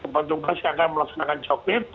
pertungkas yang akan melaksanakan covid sembilan belas